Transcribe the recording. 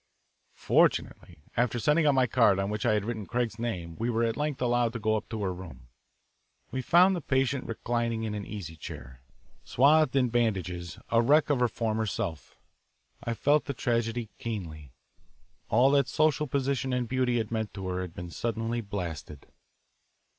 Fortunately after sending up my card on which I had written Craig's name we were at length allowed to go up to her room. We found the patient reclining in an easy chair, swathed in bandages, a wreck of her former self. I felt the tragedy keenly. All that social position and beauty had meant to her had been suddenly blasted.